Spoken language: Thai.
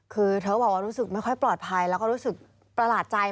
คือเธอก็บอกว่ารู้สึกไม่ค่อยปลอดภัยแล้วก็รู้สึกประหลาดใจ